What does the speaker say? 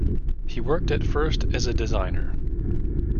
He worked at first as a designer.